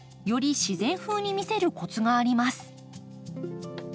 より自然風に見せるコツがあります。